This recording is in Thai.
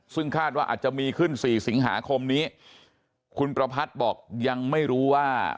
ซึ่งคาดว่าอาจจะมีขึ้นสี่สิงหาคมนี้คุณประพัทธ์บอกยังไม่รู้ว่า